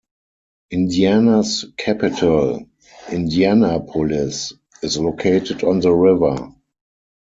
Indiana's capital, Indianapolis, is located on the river.